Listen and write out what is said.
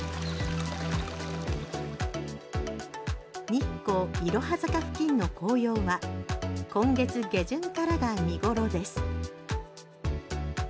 日光・いろは坂付近の紅葉は今月下旬からが見頃です。